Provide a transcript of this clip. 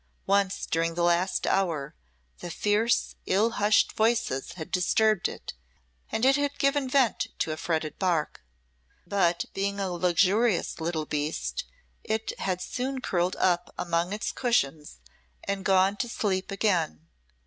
Once during the last hour the fierce, ill hushed voices had disturbed it, and it had given vent to a fretted bark, but being a luxurious little beast, it had soon curled up among its cushions and gone to sleep again.